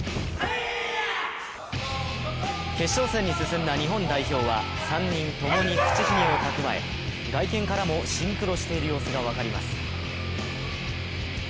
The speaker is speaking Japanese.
決勝戦に進んだ日本代表は３人ともに口ひげをたくわえ外見からもシンクロしている様子が分かります。